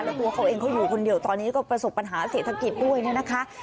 แล้วตัวเขาเองเขาอยู่คนเดียวตอนนี้ก็ประสบปัญหาเศรษฐกิจด้วยนะคะ